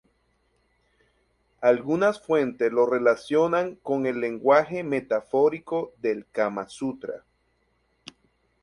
Algunas fuentes lo relacionan con el lenguaje metafórico del Kama-sutra.